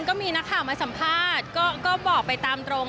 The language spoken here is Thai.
ก็มีนักข่าวมาสัมภาษณ์ก็บอกไปตามตรง